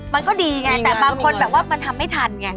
มันก็ดีไงแต่บางคนแบบว่ามันทำไม่ทันไง